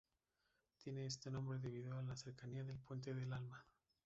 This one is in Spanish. Tiene este nombre debido a la cercanía del Puente del Alma.